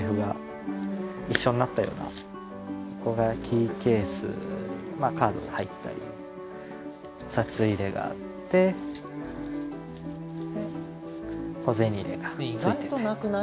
ここがキーケースまあカードも入ったり札入れがあってで小銭入れがついてて意外となくない？